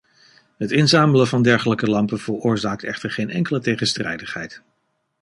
Het inzamelen van dergelijke lampen veroorzaakt echter geen enkele tegenstrijdigheid.